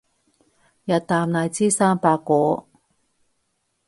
日啖荔枝三百顆